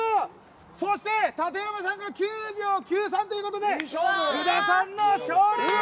そして立山さんが９秒９３ということで福田さんの勝利！